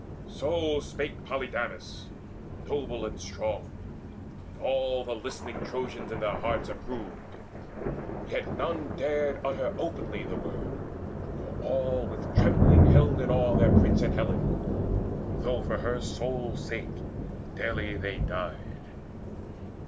So spake Polydamas the noble and strong, And all the listening Trojans in their hearts Approved; yet none dared utter openly The word, for all with trembling held in awe Their prince and Helen, though for her sole sake Daily they died.